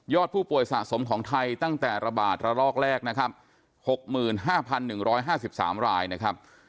ผู้ป่วยสะสมของไทยตั้งแต่ระบาดระลอกแรกนะครับ๖๕๑๕๓รายนะครับ